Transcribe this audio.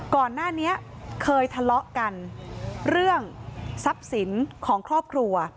ก่อนหน้านี้เคยทะเลาะกันเรื่องทรัพย์สินของครอบครัว